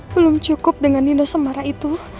belum cukup dengan nindo semara itu